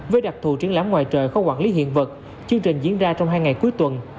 với đặc thù triển lãm ngoài trời có quản lý hiện vật chương trình diễn ra trong hai ngày cuối tuần